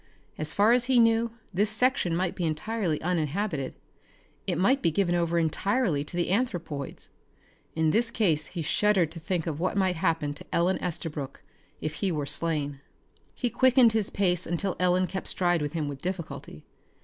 As far as he knew, this section might be entirely uninhabited. It might be given over entirely to the anthropoids. In this case he shuddered to think of what might happen to Ellen Estabrook if he were slain. He quickened his pace until Ellen kept stride with him with difficulty.